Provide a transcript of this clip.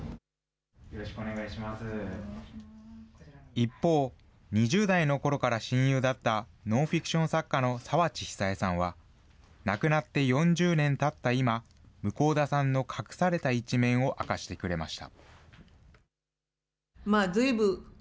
一方、２０代のころから親友だった、ノンフィクション作家の澤地久枝さんは、亡くなって４０年たった今、向田さんの隠された一面を明かしてくれました。